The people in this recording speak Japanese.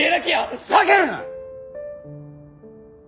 ふざけるな！